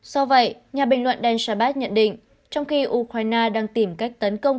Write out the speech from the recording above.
do vậy nhà bình luận dan shabat nhận định trong khi ukraine đang tìm cách tấn công